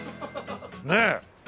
ねえ。